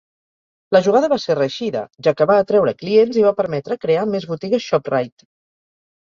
La jugada va ser reeixida, ja que va atreure clients i va permetre crear més botigues Shoprite.